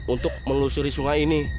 untuk mengelusuri sungai ini